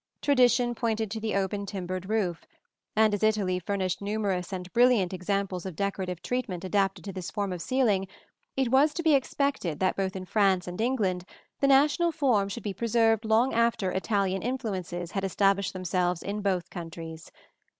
Tradition pointed to the open timbered roof; and as Italy furnished numerous and brilliant examples of decorative treatment adapted to this form of ceiling, it was to be expected that both in France and England the national form should be preserved long after Italian influences had established themselves in both countries.